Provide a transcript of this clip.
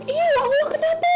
iya ya allah kenapa